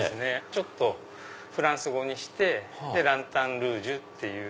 ちょっとフランス語にしてランタンルージュっていう。